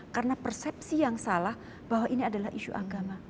karena persepsi yang salah bahwa ini adalah issue agama